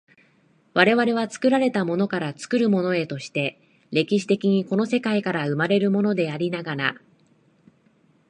我々は作られたものから作るものへとして、歴史的にこの世界から生まれるものでありながら、